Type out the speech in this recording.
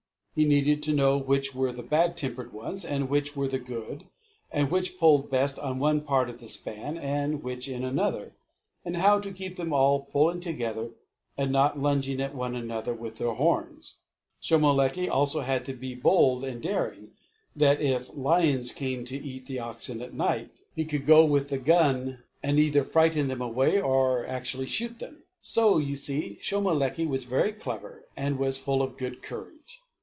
He needed to know which were the bad tempered ones and which were the good, and which pulled best in one part of the span and which in another; and how to keep them all pulling together and not lunging at one another with their horns. Shomolekae also had to be so bold and daring that, if lions came to eat the oxen at night, he could go with the gun and either frighten them away or actually shoot them. So you see Shomolekae was very clever, and was full of good courage.